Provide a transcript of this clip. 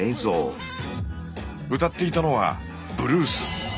歌っていたのは「ブルース」。